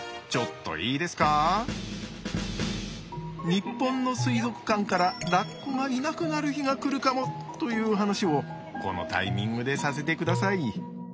日本の水族館からラッコがいなくなる日が来るかもという話をこのタイミングでさせてください。